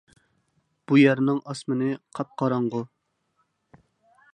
بۇ يەرنىڭ ئاسمىنى قاپقاراڭغۇ.